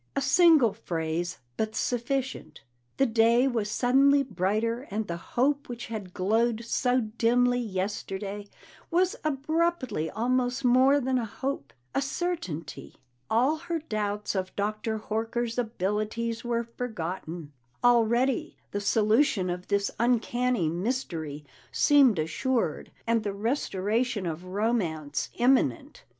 A single phrase, but sufficient. The day was suddenly brighter, and the hope which had glowed so dimly yesterday was abruptly almost more than a hope a certainty. All her doubts of Dr. Horker's abilities were forgotten; already the solution of this uncanny mystery seemed assured, and the restoration of romance imminent.